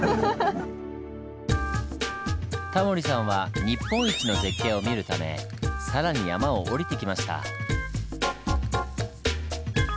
タモリさんは日本一の絶景を見るため更に山を下りてきました。